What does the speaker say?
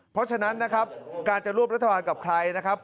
เพราะฉะนั้นนะครับการจะร่วมรัฐบาลกับใครนะครับ